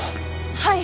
はい。